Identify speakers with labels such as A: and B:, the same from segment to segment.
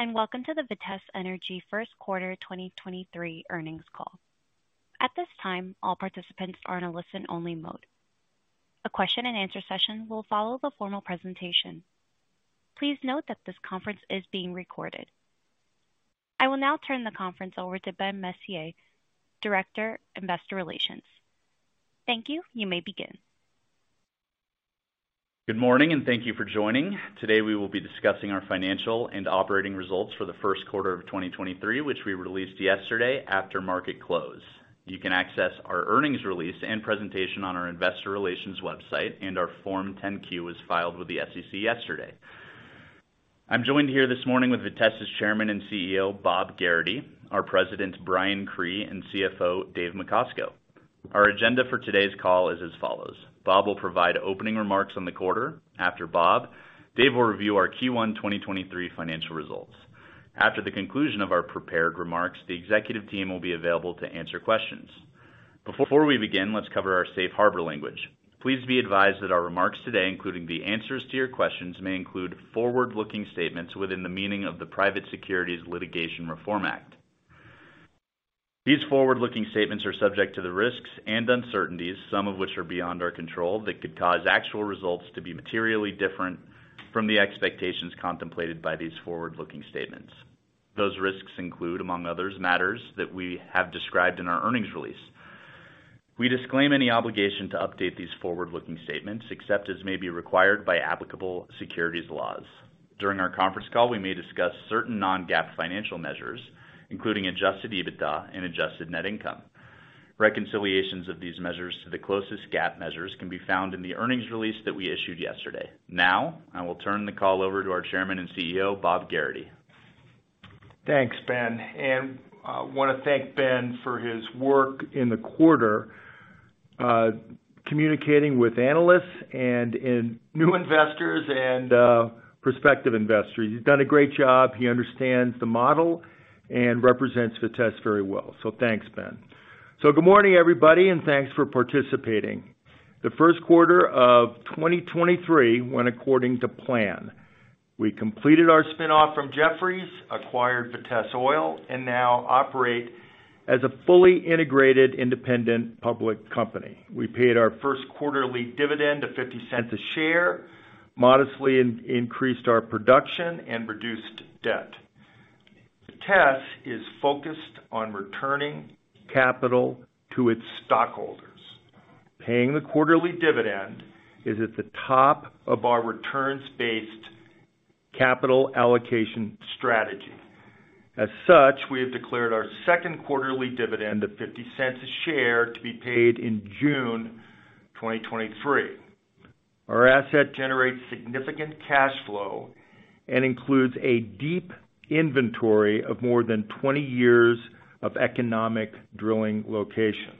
A: Greetings, welcome to the Vitesse Energy First Quarter 2023 Earnings Call. At this time, all participants are in a listen only mode. A question and answer session will follow the formal presentation. Please note that this conference is being recorded. I will now turn the conference over to Ben Messier, Director, Investor Relations. Thank you. You may begin.
B: Good morning, and thank you for joining. Today, we will be discussing our Financial and Operating Results for the First Quarter of 2023, which we released yesterday after market close. You can access our earnings release and presentation on our investor relations website, and our Form 10-Q was filed with the SEC yesterday. I'm joined here this morning with Vitesse's Chairman and CEO, Bob Gerrity, our President, Brian Cree, and CFO, Dave Macosko. Our agenda for today's call is as follows: Bob will provide opening remarks on the quarter. After Bob, Dave will review our Q1 2023 Financial Results. After the conclusion of our prepared remarks, the executive team will be available to answer questions. Before we begin, let's cover our safe harbor language. Please be advised that our remarks today, including the answers to your questions, may include forward-looking statements within the meaning of the Private Securities Litigation Reform Act. These forward-looking statements are subject to the risks and uncertainties, some of which are beyond our control, that could cause actual results to be materially different from the expectations contemplated by these forward-looking statements. Those risks include, among others, matters that we have described in our earnings release. We disclaim any obligation to update these forward-looking statements except as may be required by applicable securities laws. During our conference call, we may discuss certain non-GAAP financial measures, including adjusted EBITDA and adjusted net income. Reconciliations of these measures to the closest GAAP measures can be found in the earnings release that we issued yesterday. Now, I will turn the call over to our Chairman and CEO, Bob Gerrity.
C: Thanks, Ben. I wanna thank Ben for his work in the quarter, communicating with analysts and in new investors and prospective investors. He's done a great job. He understands the model and represents Vitesse very well. Thanks, Ben. Good morning, everybody, and thanks for participating. The first quarter of 2023 went according to plan. We completed our spin-off from Jefferies, acquired Vitesse Oil, and now operate as a fully integrated, independent public company. We paid our first quarterly dividend of $0.50 a share, modestly increased our production, and reduced debt. Vitesse is focused on returning capital to its stockholders. Paying the quarterly dividend is at the top of our returns-based capital allocation strategy. As such, we have declared our second quarterly dividend of $0.50 a share to be paid in June 2023. Our asset generates significant cash flow and includes a deep inventory of more than 20 years of economic drilling locations.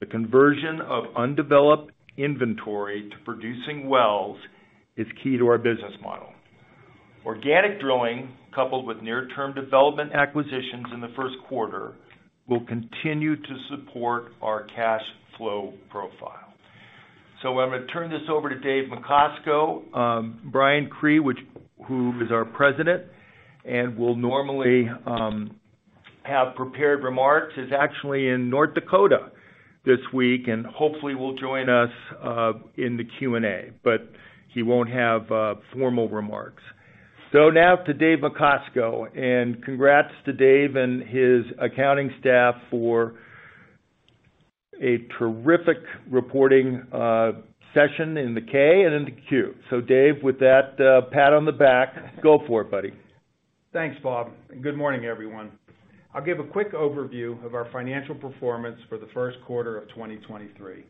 C: The conversion of undeveloped inventory to producing wells is key to our business model. Organic drilling, coupled with near-term development acquisitions in the first quarter, will continue to support our cash flow profile. I'm gonna turn this over to Dave Macosko. Brian Cree, who is our president and will normally have prepared remarks, is actually in North Dakota this week and hopefully will join us in the Q&A, but he won't have formal remarks. Now to Dave Macosko, and congrats to Dave and his accounting staff for a terrific reporting session in the K and in the Q. Dave, with that pat on the back, go for it, buddy.
D: Thanks, Bob. Good morning, everyone. I'll give a quick overview of our financial performance for the first quarter of 2023.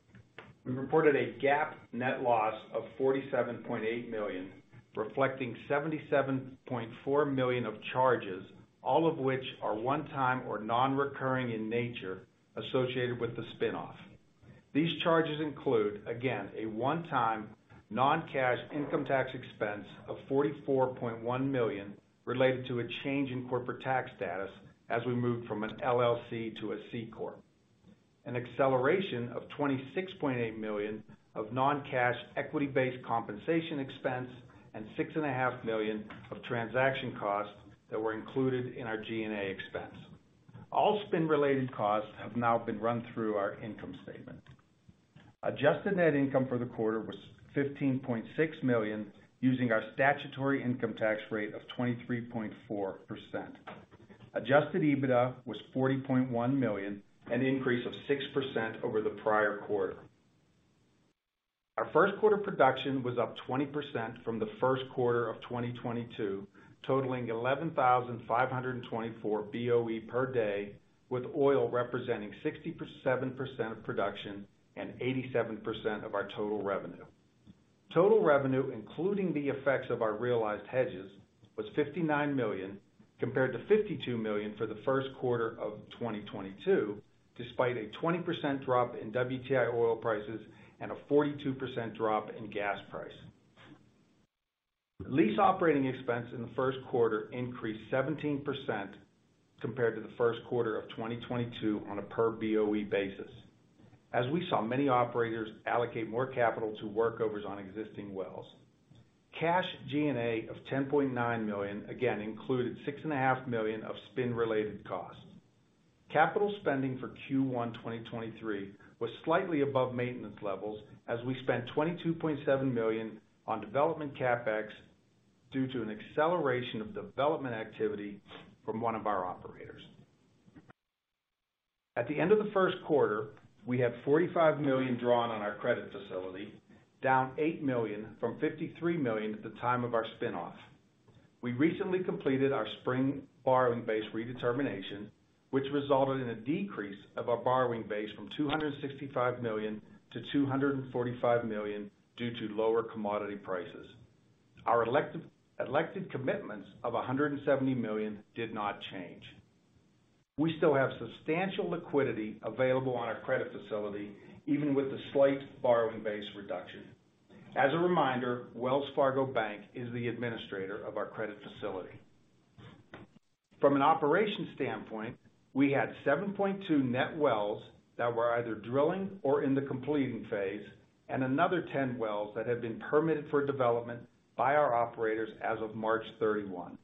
D: We reported a GAAP net loss of $47.8 million, reflecting $77.4 million of charges, all of which are one-time or non-recurring in nature associated with the spin-off. These charges include, again, a one-time non-cash income tax expense of $44.1 million related to a change in corporate tax status as we moved from an LLC to a C corp, an acceleration of $26.8 million of non-cash equity-based compensation expense and $6.5 million of transaction costs that were included in our G&A expense. All spin-related costs have now been run through our income statement. adjusted net income for the quarter was $15.6 million, using our statutory income tax rate of 23.4%. Adjusted EBITDA was $40.1 million, an increase of 6% over the prior quarter. Our first quarter production was up 20% from the first quarter of 2022, totaling 11,524 BOE per day, with oil representing 70% of production and 87% of our total revenue. Total revenue, including the effects of our realized hedges, was $59 million, compared to $52 million for the first quarter of 2022, despite a 20% drop in WTI oil prices and a 42% drop in gas price. Lease operating expense in the first quarter increased 17% compared to the first quarter of 2022 on a per BOE basis. As we saw many operators allocate more capital to workovers on existing wells. Cash G&A of $10.9 million again included six and a half million of spin-related costs. Capital spending for Q1 2023 was slightly above maintenance levels as we spent $22.7 million on development CapEx due to an acceleration of development activity from one of our operators. At the end of the first quarter, we had $45 million drawn on our credit facility, down $8 million from $53 million at the time of our spin-off. We recently completed our spring borrowing base redetermination, which resulted in a decrease of our borrowing base from $265 million-$245 million due to lower commodity prices. Our elected commitments of $170 million did not change. We still have substantial liquidity available on our credit facility, even with the slight borrowing base reduction. As a reminder, Wells Fargo Bank is the administrator of our credit facility. From an operation standpoint, we had 7.2 net wells that were either drilling or in the completing phase, and another 10 wells that have been permitted for development by our operators as of March 31.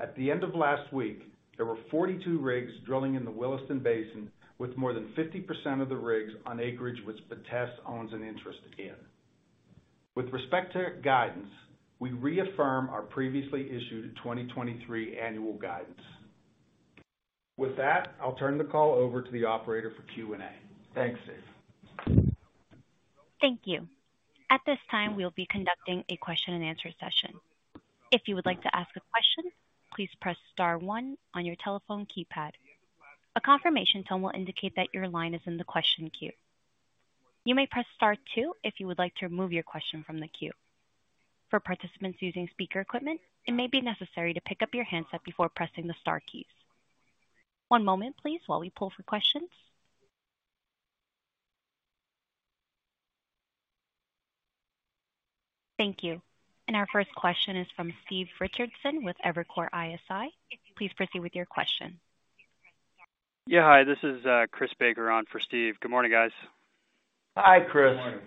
D: At the end of last week, there were 42 rigs drilling in the Williston Basin, with more than 50% of the rigs on acreage which Vitesse owns an interest in. With respect to guidance, we reaffirm our previously issued 2023 annual guidance. I'll turn the call over to the operator for Q&A.
C: Thanks, Dave.
A: Thank you. At this time, we'll be conducting a question-and-answer session. If you would like to ask a question, please press star one on your telephone keypad. A confirmation tone will indicate that your line is in the question queue. You may press star two if you would like to remove your question from the queue. For participants using speaker equipment, it may be necessary to pick up your handset before pressing the star keys. One moment, please, while we pull for questions. Thank you. Our first question is from Steve Richardson with Evercore ISI. Please proceed with your question.
E: Yeah. Hi, this is Chris Baker on for Steve. Good morning, guys.
C: Hi, Chris.
D: Good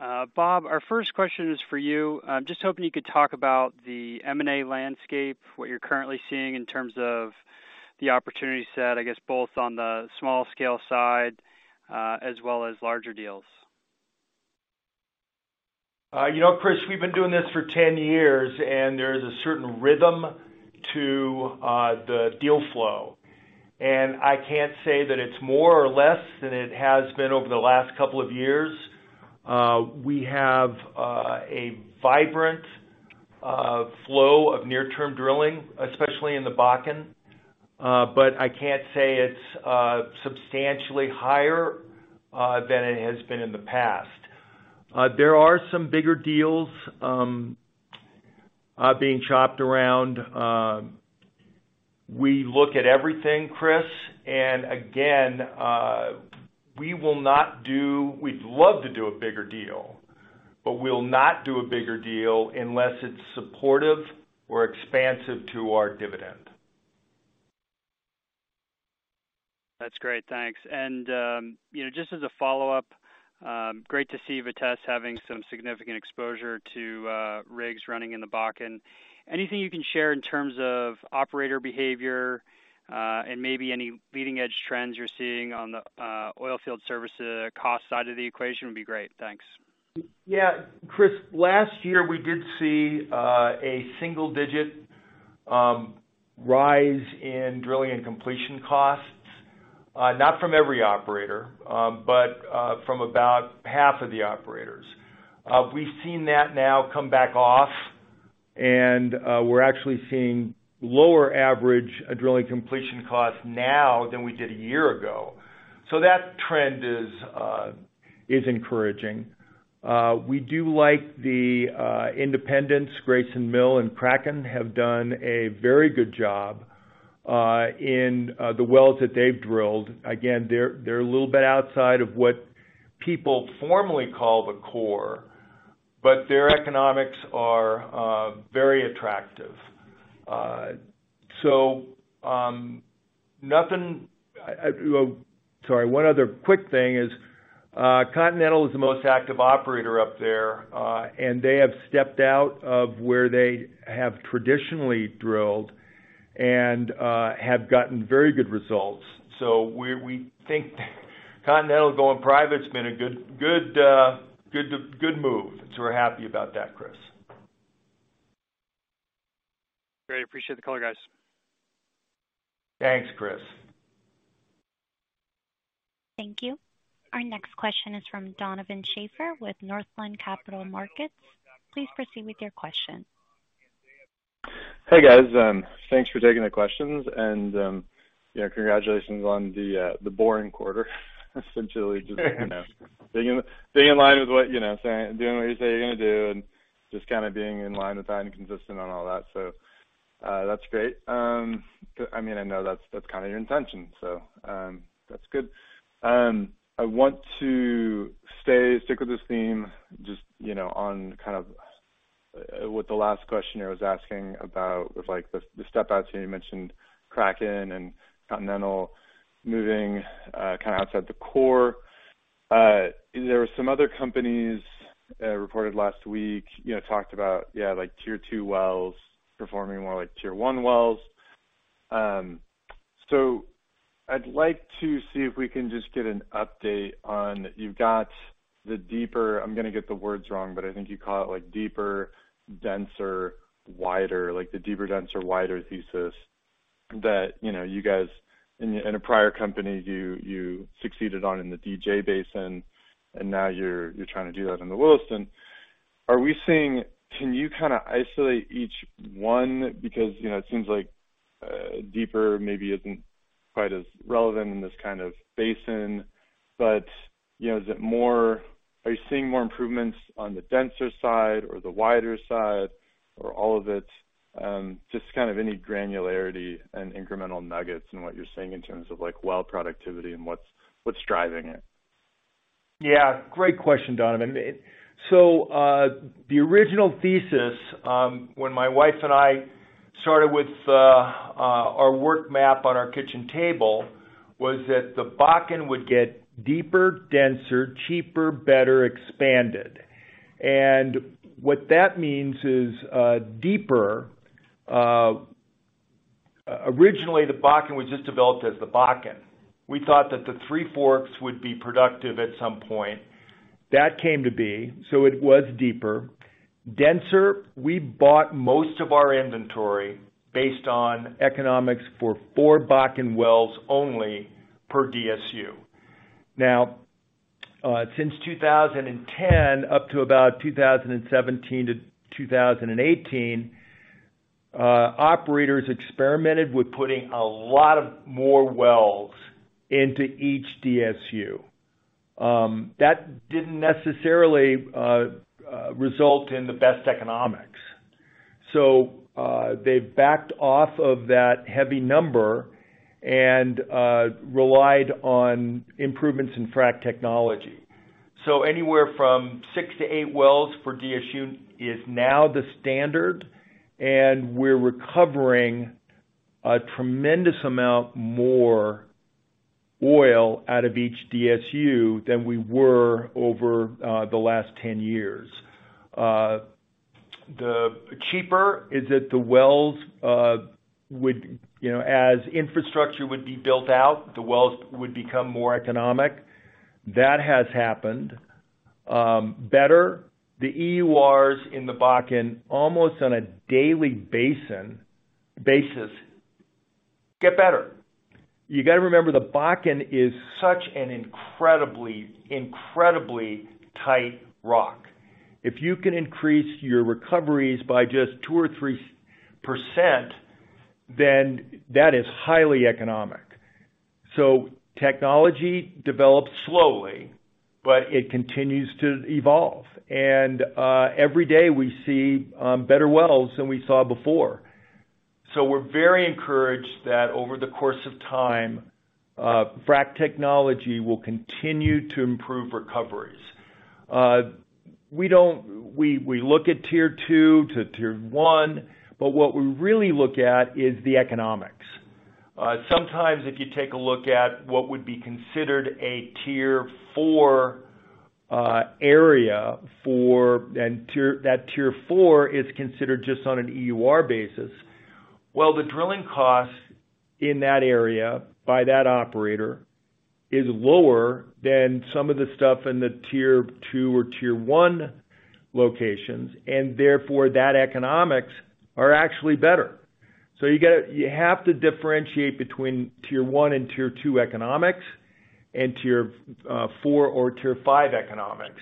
D: morning.
E: Bob, our first question is for you. I'm just hoping you could talk about the M&A landscape, what you're currently seeing in terms of the opportunity set, I guess, both on the small scale side, as well as larger deals.
C: you know, Chris Baker, we've been doing this for 10 years. There's a certain rhythm to the deal flow. I can't say that it's more or less than it has been over the last two years. We have a vibrant flow of near-term drilling, especially in the Bakken. I can't say it's substantially higher than it has been in the past. There are some bigger deals being chopped around. We look at everything, Chris Baker. Again, we'd love to do a bigger deal, but we'll not do a bigger deal unless it's supportive or expansive to our dividend.
E: That's great. Thanks. You know, just as a follow-up, great to see Vitesse having some significant exposure to rigs running in the Bakken. Anything you can share in terms of operator behavior, and maybe any leading-edge trends you're seeing on the oilfield service cost side of the equation would be great. Thanks.
C: Yeah. Chris, last year, we did see a single-digit rise in drilling and completion costs, not from every operator, but from about half of the operators. We've seen that now come back off, we're actually seeing lower average drilling completion costs now than we did a year ago. That trend is encouraging. We do like the independents. Grayson Mill and Kraken have done a very good job in the wells that they've drilled. Again, they're a little bit outside of what people formerly call the core, but their economics are very attractive. One other quick thing is Continental is the most active operator up there, they have stepped out of where they have traditionally drilled and have gotten very good results. We think Continental going private's been a good move. We're happy about that, Chris.
E: Great. Appreciate the color, guys.
C: Thanks, Chris.
A: Thank you. Our next question is from Donovan Schafer with Northland Capital Markets. Please proceed with your question.
F: Hey, guys. Thanks for taking the questions. You know, congratulations on the boring quarter essentially, just, you know, being in line with what, you know, saying, doing what you say you're gonna do and just kinda being in line with that and consistent on all that. That's great. I mean, I know that's kinda your intention, so that's good. I want to stay, stick with this theme, just, you know, on kind of with the last question I was asking about was like the step-outs here, you mentioned Kraken and Continental moving, kinda outside the core. There were some other companies, reported last week, you know, talked about, yeah, Tier 2 wells performing more like Tier 1 wells. I'd like to see if we can just get an update on You've got the deeper, I'm gonna get the words wrong, but I think you call it like deeper, denser, wider, like the deeper, denser, wider thesis that, you know, you guys in a prior company you succeeded on in the DJ Basin and now you're trying to do that in the Williston. Can you kinda isolate each one? Because, you know, it seems like deeper maybe isn't quite as relevant in this kind of basin, but, you know, are you seeing more improvements on the denser side or the wider side or all of it? Just kind of any granularity and incremental nuggets in what you're seeing in terms of like well productivity and what's driving it?
C: Yeah, great question, Donovan. The original thesis, when my wife and I started with our work map on our kitchen table was that the Bakken would get deeper, denser, cheaper, better expanded. What that means is, deeper, originally, the Bakken was just developed as the Bakken. We thought that the Three Forks would be productive at some point. That came to be, so it was deeper. Denser, we bought most of our inventory based on economics for four Bakken wells only per DSU. Now, since 2010 up to about 2017 to 2018, operators experimented with putting a lot of more wells into each DSU. That didn't necessarily result in the best economics. They backed off of that heavy number and relied on improvements in frack technology. Anywhere from six to eight wells per DSU is now the standard, and we're recovering a tremendous amount more oil out of each DSU than we were over the last 10 years. The cheaper is that the wells, you know, as infrastructure would be built out, the wells would become more economic. That has happened. Better, the EURs in the Bakken, almost on a daily basis, get better. You gotta remember, the Bakken is such an incredibly tight rock. If you can increase your recoveries by just 2% or 3%, then that is highly economic. Technology develops slowly, but it continues to evolve. Every day, we see better wells than we saw before. We're very encouraged that over the course of time, frack technology will continue to improve recoveries. We look Tier 2 to Tier 1, but what we really look at is the economics. Sometimes if you take a look at what would be considered a Tier 4 area for, that Tier 4 is considered just on an EUR basis, well, the drilling costs in that area by that operator is lower than some of the stuff in Tier 2 or Tier 1 locations, and therefore, that economics are actually better. You have to differentiate between Tier 1 Tier 2 economics and Tier 4 or Tier 5 economics.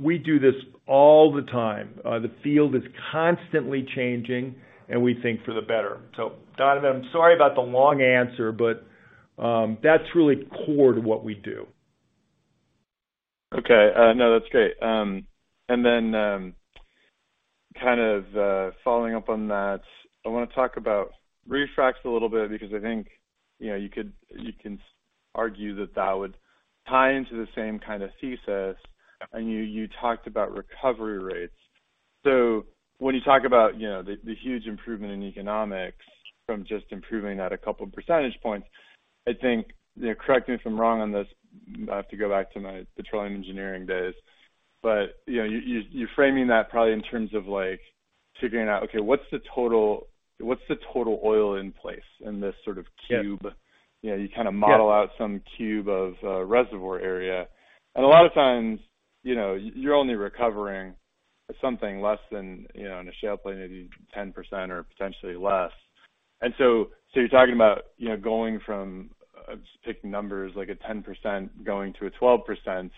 C: We do this all the time. The field is constantly changing, and we think for the better. Donovan, I'm sorry about the long answer, but that's really core to what we do.
F: Okay. No, that's great. Then, kind of, following up on that, I wanna talk about refracs a little bit because I think, you know, you can argue that that would tie into the same kind of thesis, and you talked about recovery rates. When you talk about, you know, the huge improvement in economics from just improving that a couple percentage points, I think, you know, correct me if I'm wrong on this, I have to go back to my petroleum engineering days. You know, you're framing that probably in terms of like figuring out, okay, what's the total oil in place in this sort of cube?
C: Yes.
F: You know.
C: Yes.
F: model out some cube of a reservoir area. A lot of times, you know, you're only recovering something less than, you know, in a shale play, maybe 10% or potentially less. You're talking about, you know, going from, just picking numbers, like a 10% going to a 12%.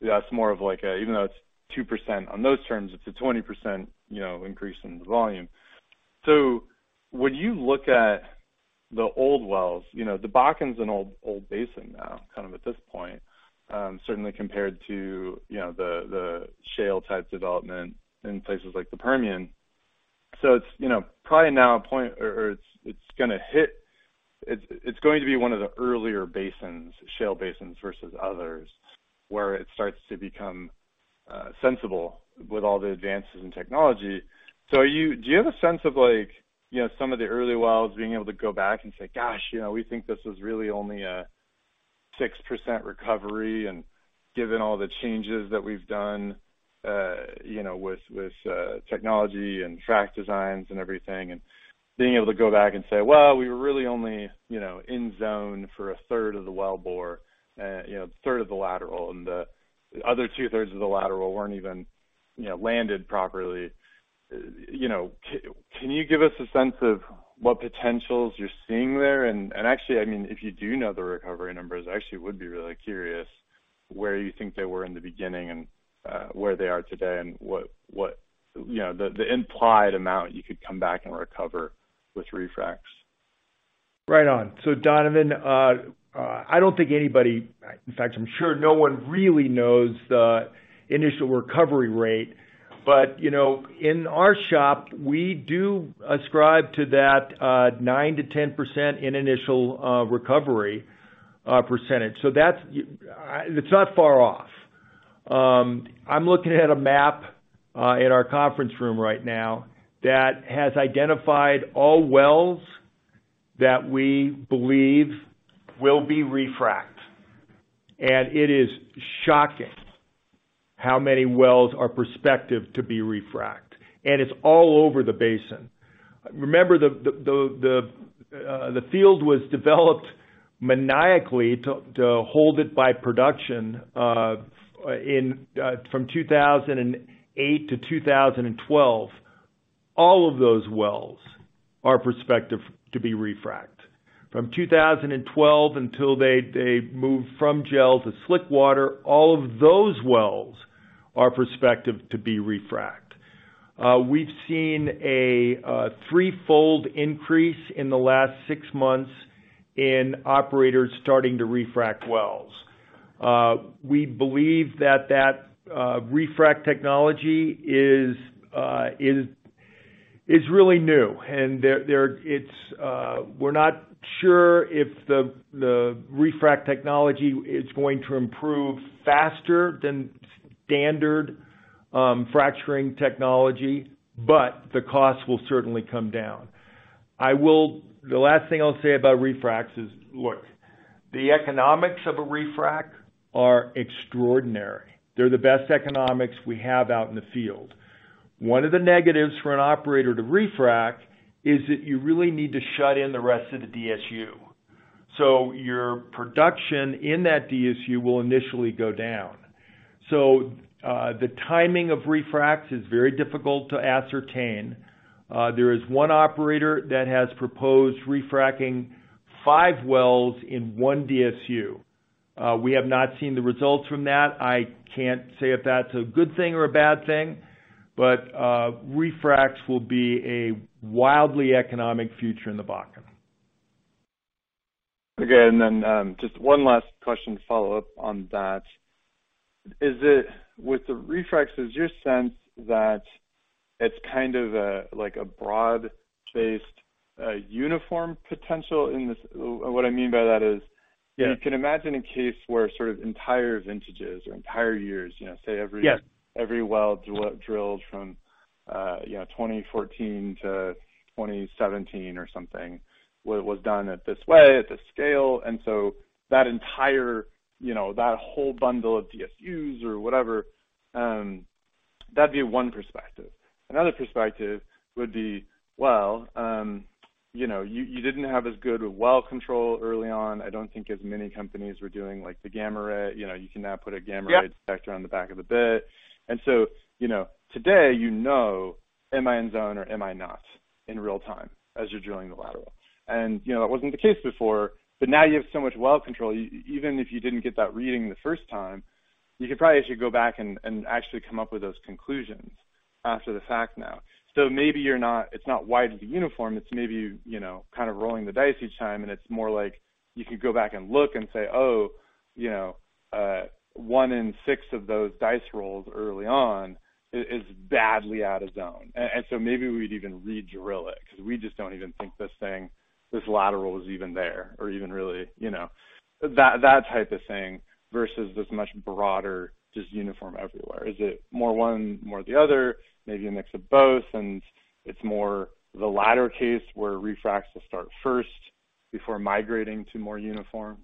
F: That's more of like a, even though it's 2% on those terms, it's a 20%, you know, increase in the volume. When you look at the old wells, you know, the Bakken's an old basin now, kind of at this point, certainly compared to, you know, the shale type development in places like the Permian. It's, you know, probably now a point or it's gonna hit. It's going to be one of the earlier basins, shale basins versus others, where it starts to become sensible with all the advances in technology. Do you have a sense of like, you know, some of the early wells being able to go back and say, "Gosh, you know, we think this was really only a 6% recovery, and given all the changes that we've done, you know, with technology and frac designs and everything," and being able to go back and say, "Well, we were really only, you know, in zone for a 1/3 of the wellbore, you know, 1/3 of the lateral and the other 2/3 of the lateral weren't even, you know, landed properly." You know, can you give us a sense of what potentials you're seeing there? Actually, I mean, if you do know the recovery numbers, I actually would be really curious where you think they were in the beginning and where they are today and what, you know, the implied amount you could come back and recover with refracs.
C: Right on. Donovan, I don't think anybody, in fact, I'm sure no one really knows the initial recovery rate. You know, in our shop, we do ascribe to that, 9%-10% in initial recovery percentage. That's it's not far off. I'm looking at a map in our conference room right now that has identified all wells that we believe will be refract. It is shocking how many wells are prospective to be refract, and it's all over the basin. Remember the field was developed maniacally to hold it by production in from 2008 to 2012. All of those wells are prospective to be refract. From 2012 until they moved from gel to slickwater, all of those wells are prospective to be refract. We've seen a threefold increase in the last six months in operators starting to refract wells. We believe that refract technology is really new. We're not sure if the refract technology is going to improve faster than standard fracturing technology, but the cost will certainly come down. The last thing I'll say about refracs is, look, the economics of a refract are extraordinary. They're the best economics we have out in the field. One of the negatives for an operator to refract is that you really need to shut in the rest of the DSU, so your production in that DSU will initially go down. The timing of refracs is very difficult to ascertain. There is one operator that has proposed refracking five wells in one DSU. We have not seen the results from that. I can't say if that's a good thing or a bad thing, refracs will be a wildly economic future in the Bakken.
F: Okay. just one last question to follow up on that. With the refracs, is your sense that it's kind of a, like, a broad-based, uniform potential in this? what I mean by that is.
C: Yeah.
F: You can imagine a case where sort of entire vintages or entire years, you know, say every
C: Yes.
F: Every well drilled from, you know, 2014 to 2017 or something was done at this way, at this scale, and so that entire, you know, that whole bundle of DSUs or whatever, that'd be one perspective. Another perspective would be, well, you know, you didn't have as good well control early on. I don't think as many companies were doing, like, the gamma ray. You know, you can now put a gamma ray.
C: Yep.
F: Detector on the back of the bit. You know, today, you know, am I in zone or am I not, in real time as you're drilling the lateral? You know, that wasn't the case before, but now you have so much well control, even if you didn't get that reading the first time, you could probably actually go back and actually come up with those conclusions after the fact now. Maybe you're not it's not widely uniform. It's maybe, you know, kind of rolling the dice each time, and it's more like you could go back and look and say, "Oh, you know, one in six of those dice rolls early on is badly out of zone. Maybe we'd even re-drill it, 'cause we just don't even think this thing, this lateral is even there or even really," you know. That type of thing versus this much broader, just uniform everywhere. Is it more one, more the other? Maybe a mix of both, it's more the latter case where refracs will start first before migrating to more uniform?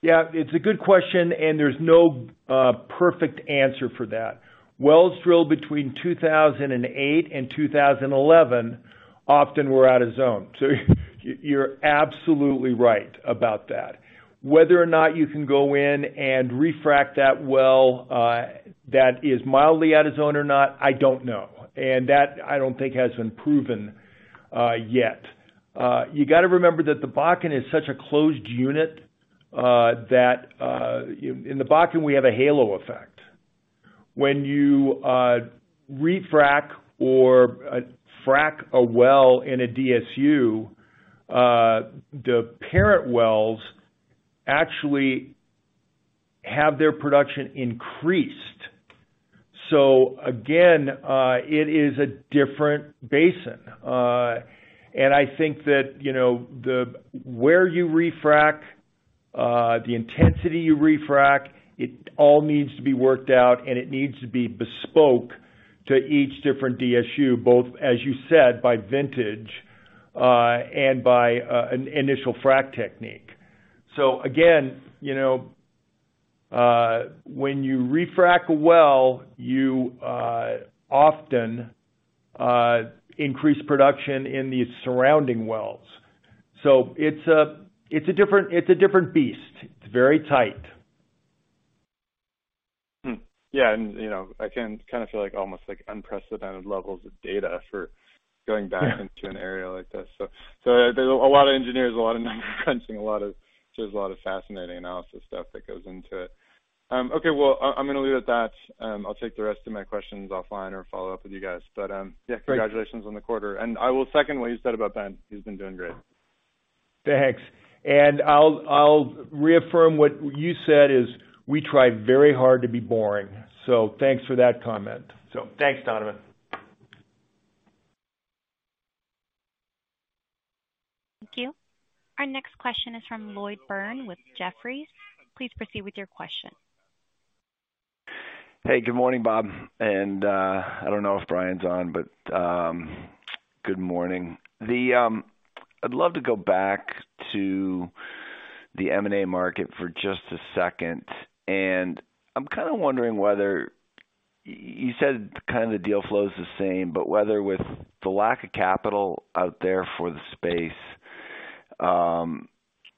C: It's a good question. There's no perfect answer for that. Wells drilled between 2008 and 2011 often were out of zone. You're absolutely right about that. Whether or not you can go in and refract that well that is mildly out of zone or not, I don't know, and that, I don't think has been proven yet. You gotta remember that the Bakken is such a closed unit that in the Bakken, we have a halo effect. When you refrac or frack a well in a DSU, the parent wells actually have their production increased. Again, it is a different basin. I think that, you know, where you refrac, the intensity you refrac, it all needs to be worked out, and it needs to be bespoke to each different DSU, both, as you said, by vintage, and by an initial frack technique. Again, you know, when you refrac a well, you often increase production in the surrounding wells. It's a different beast. It's very tight.
F: Yeah. You know, I can kind of feel like almost like unprecedented levels of data for going back into an area like this. There's a lot of engineers, a lot of number crunching. Just a lot of fascinating analysis stuff that goes into it. Okay, well I'm going to leave it at that. I'll take the rest of my questions offline or follow up with you guys.
C: Yeah. Great.
F: Congratulations on the quarter. I will second what you said about Ben. He's been doing great.
C: Thanks. I'll reaffirm what you said is we try very hard to be boring, thanks for that comment. Thanks, Donovan.
A: Thank you. Our next question is from Lloyd Byrne with Jefferies. Please proceed with your question.
G: Hey, good morning, Bob. I don't know if Brian's on, but good morning. I'd love to go back to the M&A market for just a second, I'm kinda wondering whether you said kind of the deal flow is the same, but whether with the lack of capital out there for the space,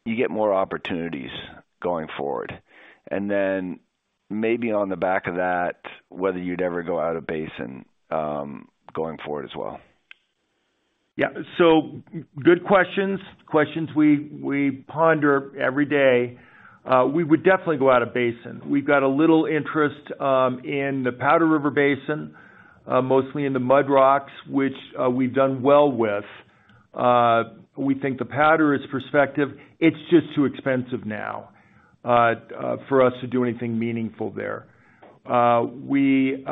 G: you get more opportunities going forward. Maybe on the back of that, whether you'd ever go out of basin going forward as well.
C: Yeah. Good questions. Questions we ponder every day. We would definitely go out of basin. We've got a little interest in the Powder River Basin, mostly in the mudrocks, which we've done well with. We think the Powder is prospective. It's just too expensive now for us to do anything meaningful there. We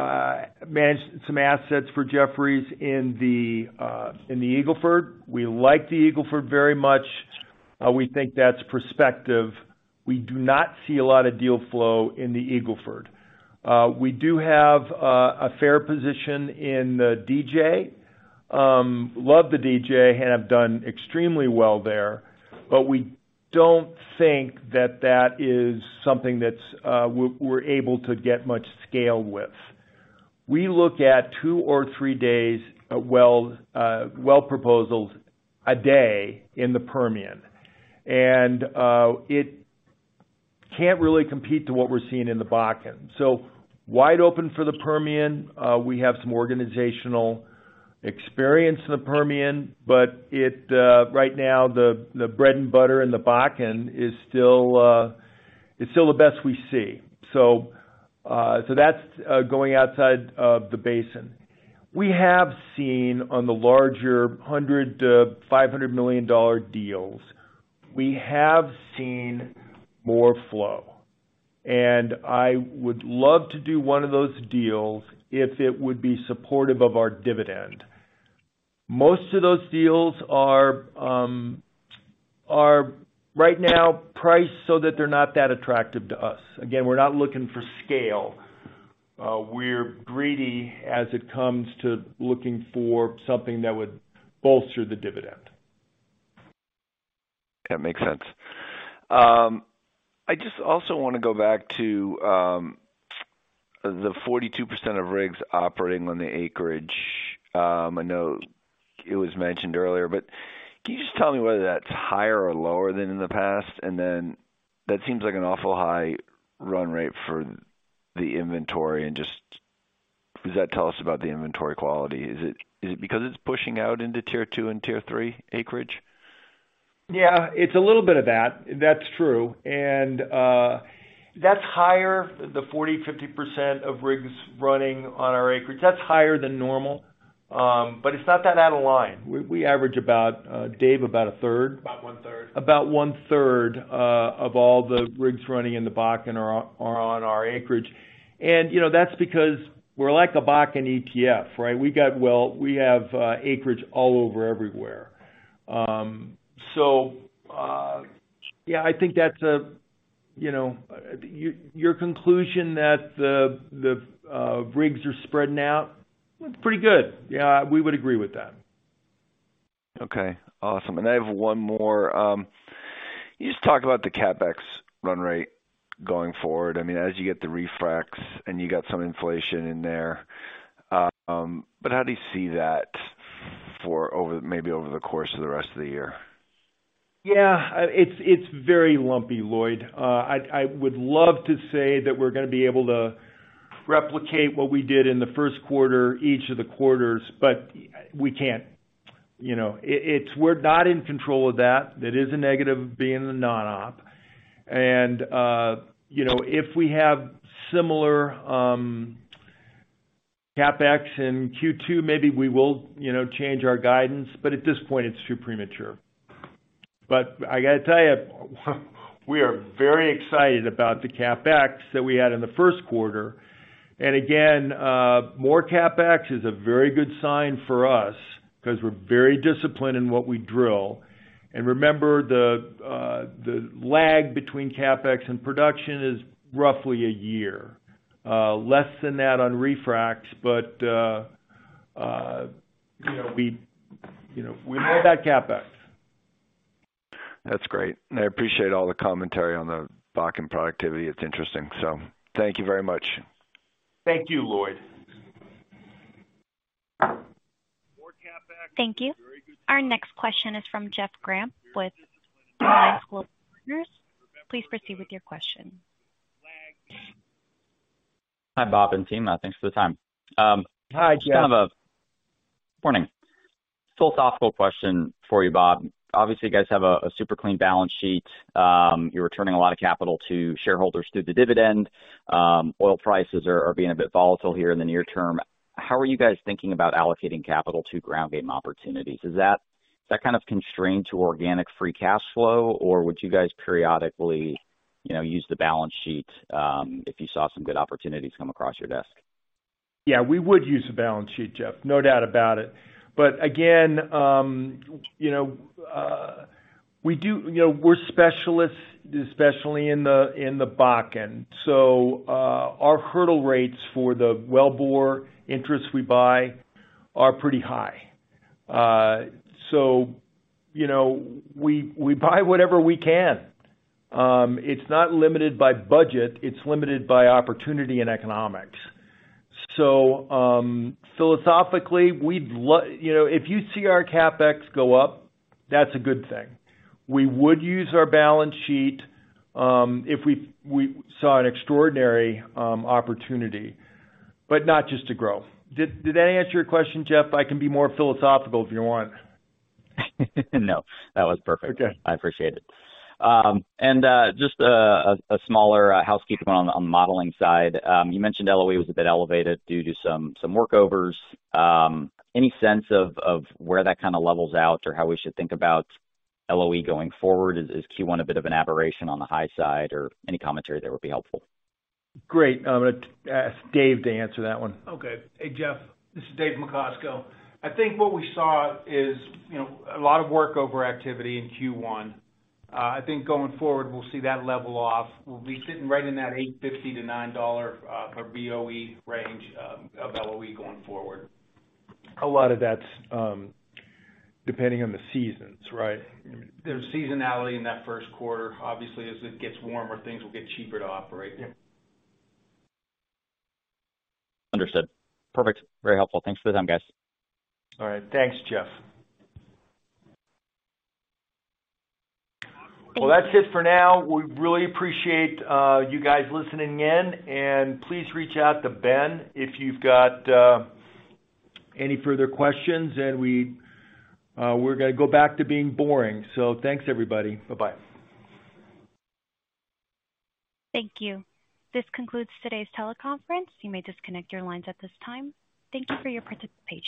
C: managed some assets for Jefferies in the Eagle Ford. We like the Eagle Ford very much. We think that's prospective. We do not see a lot of deal flow in the Eagle Ford. We do have a fair position in DJ. Love the DJ, have done extremely well there, but we don't think that that is something that's we're able to get much scale with. We look at two or three days of well, well proposals a day in the Permian. It can't really compete to what we're seeing in the Bakken. Wide open for the Permian. We have some organizational experience in the Permian, but it right now the bread and butter in the Bakken is still the best we see. That's going outside of the basin. We have seen on the larger $100 million-$500 million deals, we have seen more flow, and I would love to do one of those deals if it would be supportive of our dividend. Most of those deals are right now priced so that they're not that attractive to us. Again, we're not looking for scale. We're greedy as it comes to looking for something that would bolster the dividend.
G: That makes sense. I just also wanna go back to the 42% of rigs operating on the acreage. I know it was mentioned earlier, can you just tell me whether that's higher or lower than in the past? That seems like an awful high run rate for the inventory. Just, does that tell us about the inventory quality? Is it because it's pushing out into Tier 2 and Tier 3 acreage?
C: Yeah, it's a little bit of that. That's true. That's higher. The 40-50% of rigs running on our acreage, that's higher than normal. But it's not that out of line. We average about, Dave, about a third. About one third. About one third of all the rigs running in the Bakken are on our acreage. You know, that's because we're like a Bakken ETF, right? We have acreage all over everywhere. So, yeah, I think that's a, you know. Your conclusion that the rigs are spreading out, pretty good. Yeah, we would agree with that.
G: Okay, awesome. I have one more. Can you just talk about the CapEx run rate going forward, I mean, as you get the refracs and you got some inflation in there, how do you see that for over maybe over the course of the rest of the year?
C: Yeah. It's very lumpy, Lloyd. I would love to say that we're gonna be able to replicate what we did in the first quarter each of the quarters, but we can't. You know, we're not in control of that. That is a negative being a non-op. You know, if we have similar CapEx in Q2, maybe we will, you know, change our guidance, but at this point it's too premature. I gotta tell you, we are very excited about the CapEx that we had in the first quarter. Again, more CapEx is a very good sign for us 'cause we're very disciplined in what we drill. Remember the lag between CapEx and production is roughly a year, less than that on refracs. you know, we hold that CapEx.
G: That's great. I appreciate all the commentary on the Bakken productivity. It's interesting. Thank you very much.
C: Thank you, Lloyd.
A: Thank you. Our next question is from Jeff Grampp with Alliance Global Partners. Please proceed with your question.
H: Hi, Bob and team. Thanks for the time.
C: Hi, Jeff.
H: Kind of a Morning. Full thoughtful question for you, Bob. Obviously, you guys have a super clean balance sheet. You're returning a lot of capital to shareholders through the dividend. Oil prices are being a bit volatile here in the near term. How are you guys thinking about allocating capital to ground game opportunities? Is that kind of constrained to organic free cash flow, or would you guys periodically, you know, use the balance sheet if you saw some good opportunities come across your desk?
C: Yeah, we would use the balance sheet, Jeff, no doubt about it. Again, you know, we're specialists, especially in the Bakken. Our hurdle rates for the wellbore interests we buy are pretty high. You know, we buy whatever we can. It's not limited by budget, it's limited by opportunity and economics. Philosophically, we'd you know, if you see our CapEx go up, that's a good thing. We would use our balance sheet if we saw an extraordinary opportunity, but not just to grow. Did that answer your question, Jeff? I can be more philosophical if you want.
H: No, that was perfect.
C: Okay.
H: I appreciate it. Just a smaller housekeeping on the modeling side. You mentioned LOE was a bit elevated due to some workovers. Any sense of where that kind of levels out or how we should think about LOE going forward? Is Q1 a bit of an aberration on the high side or any commentary there would be helpful?
C: Great. I'm gonna ask Dave to answer that one.
D: Okay. Hey, Jeff, this is Dave Macosko. I think what we saw is, you know, a lot of workover activity in Q1. I think going forward we'll see that level off. We'll be sitting right in that $8.50-$9 per BOE range of LOE going forward.
C: A lot of that's depending on the seasons, right?
D: There's seasonality in that first quarter. Obviously, as it gets warmer, things will get cheaper to operate.
C: Yeah.
H: Understood. Perfect. Very helpful. Thanks for the time, guys.
C: All right. Thanks, Jeff. Well, that's it for now. We really appreciate you guys listening in. Please reach out to Ben if you've got any further questions. We're gonna go back to being boring. Thanks, everybody. Bye-bye.
A: Thank you. This concludes today's teleconference. You may disconnect your lines at this time. Thank you for your participation.